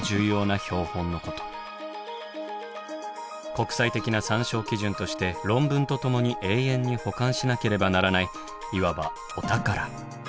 国際的な参照基準として論文とともに永遠に保管しなければならないいわばお宝。